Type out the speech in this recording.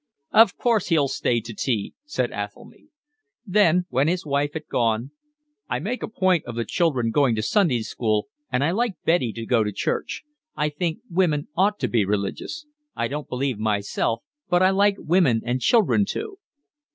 "Of course he'll stay to tea," said Athelny. Then when his wife had gone: "I make a point of the children going to Sunday school, and I like Betty to go to church. I think women ought to be religious. I don't believe myself, but I like women and children to."